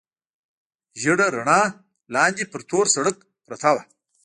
ژېړه رڼا، لاندې پر تور سړک پرته وه.